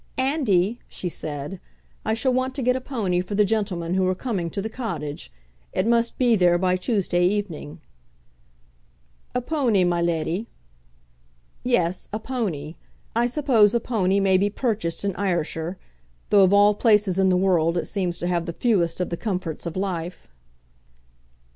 "Andy," she said, "I shall want to get a pony for the gentlemen who are coming to the Cottage. It must be there by Tuesday evening." "A pownie, my leddie?" "Yes; a pony. I suppose a pony may be purchased in Ayrshire, though of all places in the world it seems to have the fewest of the comforts of life."